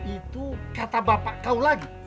itu kata bapak kau lagi